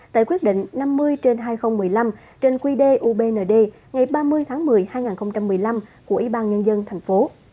tại quyết định năm mươi hai nghìn một mươi năm trên quy đề ubnd ngày ba mươi tháng một mươi hai nghìn một mươi năm của ủy ban nhân dân tp hcm